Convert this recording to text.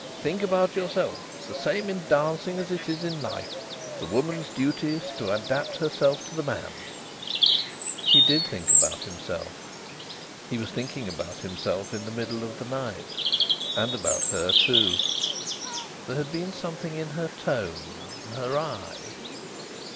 Think about yourself. It's the same in dancing as it is in life the woman's duty is to adapt herself to the man." He did think about himself. He was thinking about himself in the middle of the night, and about her too. There had been something in her tone... her eye...